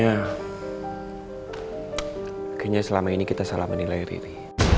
kayaknya selama ini kita salah menilai diri